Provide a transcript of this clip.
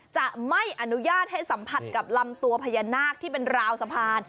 จะไม่อนุญาตให้สัมผัสกับลำตัวพญานาคที่เป็นราวสะพาน